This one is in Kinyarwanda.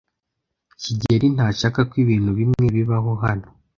kigeli ntashaka ko ibintu bimwe bibaho hano.